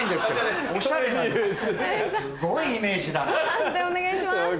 判定お願いします。